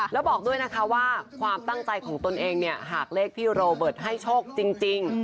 แล้วบอกด้วยนะคะว่าความตั้งใจของตนเองเนี่ยหากเลขพี่โรเบิร์ตให้โชคจริง